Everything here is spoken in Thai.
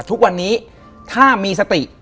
ทุกวันนี้ถ้ามีสติ